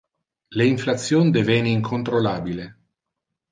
Le inflation deveni incontrolabile.